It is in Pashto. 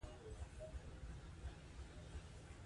هفتې وورسته خپل نصیب ته ورتسلیم سو